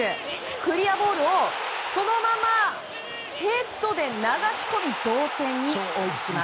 クリアボールをそのままヘッドで流し込み同点に追いつきます。